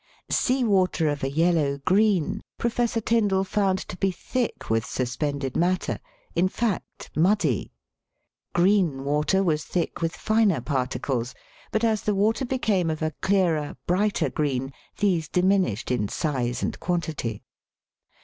Sea water of a yellow green Professor Tyndall found AN INKY SKY AND SEA. 23 to be thick with suspended matter, in fact muddy; green water was thick with finer particles ; but as the water became of a clearer, brighter green these diminished in size and quantity.